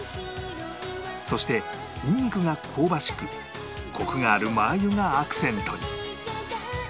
そしてニンニクが香ばしくコクがあるマー油がアクセントに